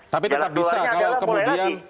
tapi tetap bisa